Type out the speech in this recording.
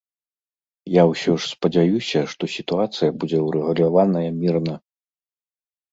Я ўсё ж спадзяюся, што сітуацыя будзе ўрэгуляваная мірна.